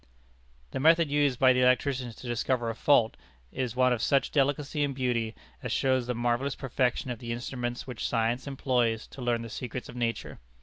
The method used by the electricians to discover a fault is one of such delicacy and beauty as shows the marvellous perfection of the instruments which science employs to learn the secrets of nature.